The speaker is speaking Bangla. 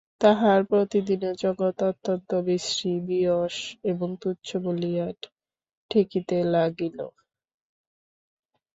তাহার প্রতিদিনের জগৎ অত্যন্ত বিশ্রী বিরস এবং তুচ্ছ বলিয়া ঠেকিতে লাগিল।